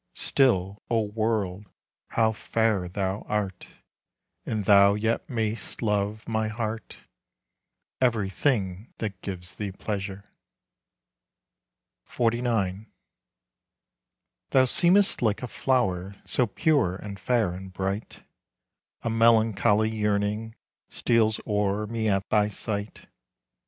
Still, O world, how fair thou art! And thou yet may'st love, my heart, Everything that gives thee pleasure. XLIX. Thou seemest like a flower, So pure and fair and bright; A melancholy yearning Steals o'er me at thy sight.